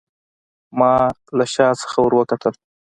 ما له شا څخه وروکتل.